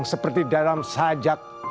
seperti dalam sajak